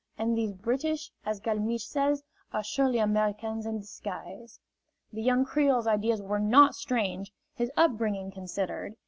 And these British, as Galmiche says, are surely Americans in disguise." The young Creole's ideas were not strange, his upbringing considered.